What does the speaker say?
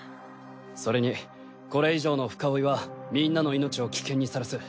それにこれ以上の深追いはみんなの命を危険にさらす。